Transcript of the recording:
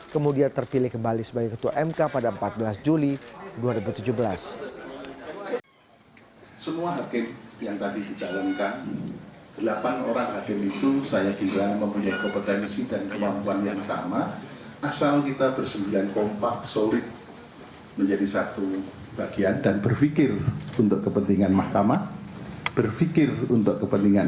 kemudian terpilih kembali sebagai ketua mk pada empat belas juli